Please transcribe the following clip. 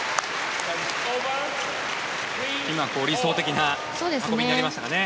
今、理想的な運びになりましたかね。